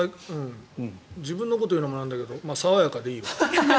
自分のこというのもなんだけど爽やかでいいわ。